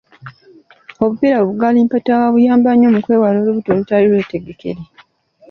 Obupiira bukalimpitawa buyamba nnyo mukwewala olubuto olutali lwetegekere.